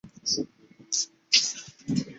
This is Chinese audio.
曾担任罗马尼亚国家足球队主教练。